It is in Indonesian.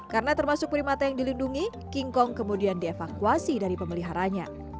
karena termasuk perimata yang dilindungi king kong kemudian dievakuasi dari pemeliharanya